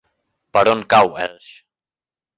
Per on cau Elx?